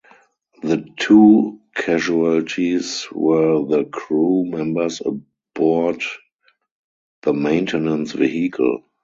The two casualties were the crew members aboard the maintenance vehicle.